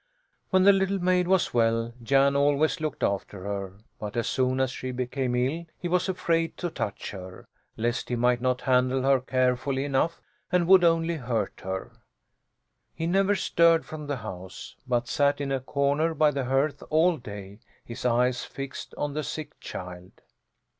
When the little maid was well Jan always looked after her; but as soon as she became ill he was afraid to touch her, lest he might not handle her carefully enough and would only hurt her. He never stirred from the house, but sat in a corner by the hearth all day, his eyes fixed on the sick child.